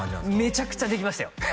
めちゃくちゃできましたよ